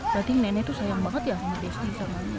berarti nenek tuh sayang banget ya sama desti sama